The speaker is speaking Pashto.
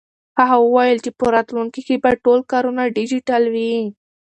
هغه وویل چې په راتلونکي کې به ټول کارونه ډیجیټل وي.